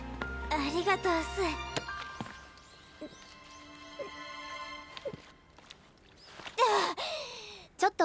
ありがとうっす。ハァッ！